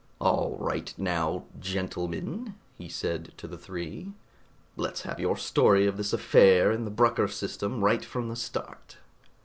"All right now, gentlemen," he said to the three, "let's have your story of this affair in the Brucker system, right from the start."